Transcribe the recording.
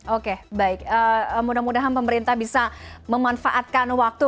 oke baik mudah mudahan pemerintah bisa memanfaatkan waktu